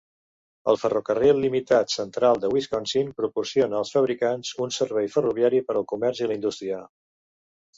El ferrocarril limitat central de Wisconsin proporciona als fabricants un servei ferroviari per al comerç i la indústria.